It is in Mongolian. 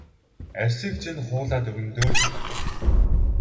Арьсыг чинь хуулаад өгнө дөө чамайг.